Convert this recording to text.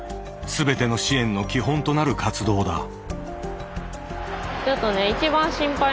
全ての支援の基本となる活動だ。